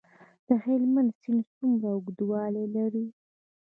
د هلمند سیند څومره اوږدوالی لري؟